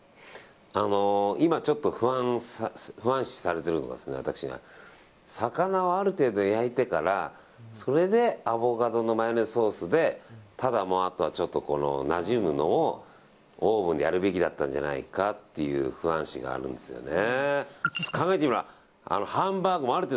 今、ちょっと不安視されているのが魚をある程度、焼いてからそれでアボカドのマヨネーズソースでただ、あとはなじむのをオーブンでやるべきだったんじゃないかという不安視があるんですよね。